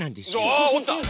ああっおった！